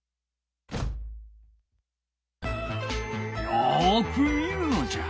よく見るのじゃ。